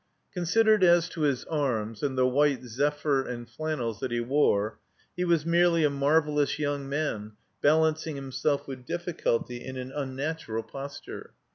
Considered as to his arms, and the white "zephyr*' and flannels that he wore, he was merely a marvelous young man balancing himself with difficulty in an unnatural posture.